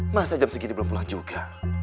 masa jam segini belum pulang juga